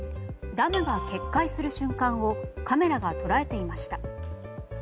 ダムが決壊する瞬間をカメラが捉えていました。